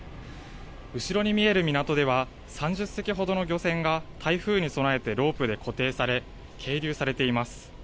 後ろに見える港では３０隻ほどの漁船が台風に備えてロープで固定され、係留されています。